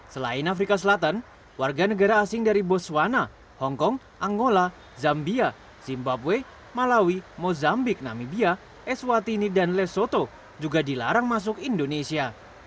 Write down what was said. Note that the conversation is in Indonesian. selain afrika selatan warga negara asing dari boswana hongkong angola zambia zimbabwe malawi mozambik namibia eswatini dan lesoto juga dilarang masuk indonesia